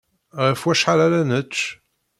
Ɣef wacḥal ara nečč?